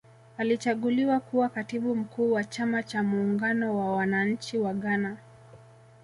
Alichaguliwa kuwa katibu mkuu wa chama cha muungano wa wananchi wa Ghana